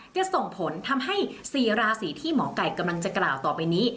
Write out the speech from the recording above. จะส่งผลทำให้๔ราศีที่หมอไก่กำลังจะกล่าวต่อไปนี้